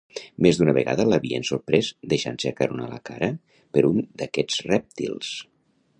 Més d'una vegada l'havien sorprès deixant-se acaronar la cara per un d'aquests rèptils.